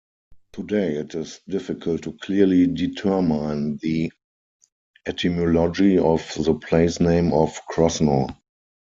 Today it is difficult to clearly determine the etymology of the place-name of Krosno.